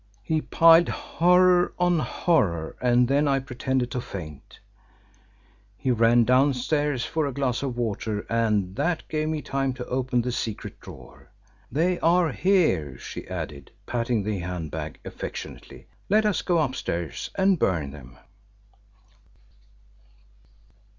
He piled horror on horror and then I pretended to faint. He ran down stairs for a glass of water, and that gave me time to open the secret drawer. They are here," she added, patting the hand bag affectionately; "let us go upstairs and burn them."